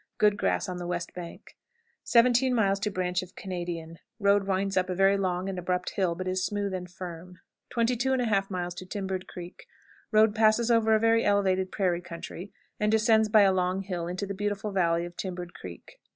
Good grass on the west bank. 17. Branch of Canadian. Road winds up a very long and abrupt hill, but is smooth and firm. 22 1/2. Timbered Creek. Road passes over a very elevated prairie country, and descends by a long hill into the beautiful valley of Timbered Creek.